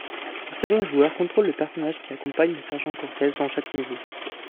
Le second joueur contrôle le personnage qui accompagne le Sergent Cortez dans chaque niveau.